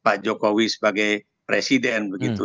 pak jokowi sebagai presiden begitu